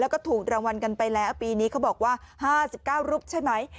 แล้วก็ถูกรางวัลกันไปแล้วปีนี้เขาบอกว่า๕๙รูปใช่ไหม